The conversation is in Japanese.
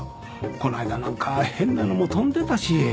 こないだなんか変なのも飛んでたし。